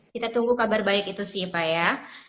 kita tunggu kabar baik itu sih pak ya